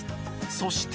そして